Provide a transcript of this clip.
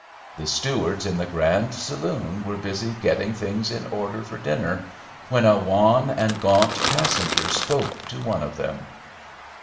The stewards in the grand saloon were busy getting things in order for dinner, when a wan and gaunt passenger spoke to one of them.